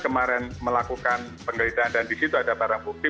kemarin melakukan penggeledahan dan di situ ada barang bukti